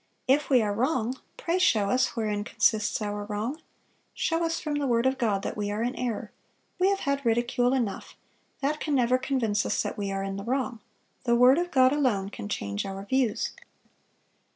"If we are wrong, pray show us wherein consists our wrong. Show us from the word of God that we are in error; we have had ridicule enough; that can never convince us that we are in the wrong; the word of God alone can change our views.